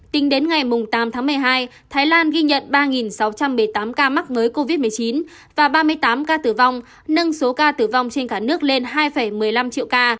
tính đến ngày tám tháng một mươi hai thái lan ghi nhận ba sáu trăm một mươi tám ca mắc mới covid một mươi chín và ba mươi tám ca tử vong nâng số ca tử vong trên cả nước lên hai một mươi năm triệu ca